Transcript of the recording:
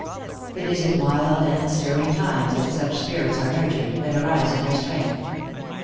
It is in wild and stirring times that such spirits are nurtured, and arise in their strength.